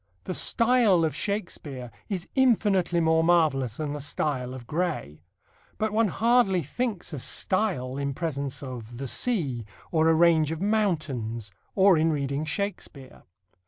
The style of Shakespeare is infinitely more marvellous than the style of Gray. But one hardly thinks of style in presence of the sea or a range of mountains or in reading Shakespeare.